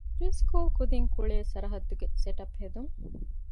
ޕްރީސްކޫލް ކުދިން ކުޅޭ ސަރަޙައްދުގެ ސެޓަޕް ހެދުން